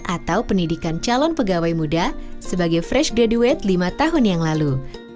atau pendidikan calon pegawai muda sebagai fresh deduate lima tahun yang lalu